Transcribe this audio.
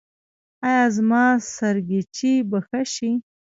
ایا زما سرگیچي به ښه شي؟